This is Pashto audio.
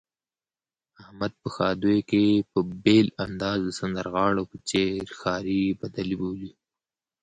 احمد په ښادیو کې په بېل انداز د سندرغاړو په څېر ښاري بدلې بولي.